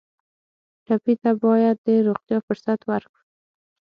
ټپي ته باید د روغتیا فرصت ورکړو.